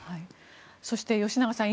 そして、吉永さん